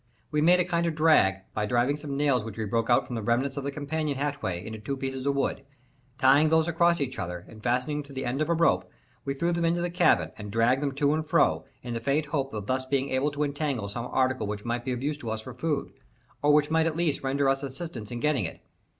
We made a kind of drag by driving some nails which we broke out from the remains of the companion hatch into two pieces of wood. Tying these across each other, and fastening them to the end of a rope, we threw them into the cabin, and dragged them to and fro, in the faint hope of being thus able to entangle some article which might be of use to us for food, or which might at least render us assistance in getting it.